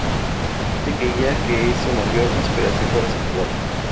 Dice de ella que es su mayor inspiración para su trabajo.